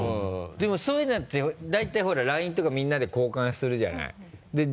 でもそういうのって大体ほらＬＩＮＥとかみんなで交換するじゃない。